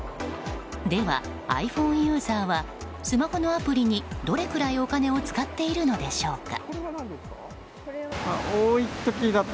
では、ｉＰｈｏｎｅユーザーはスマホのアプリにどれくらいお金を使っているのでしょうか。